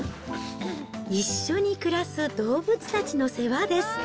一緒に暮らす動物たちの世話です。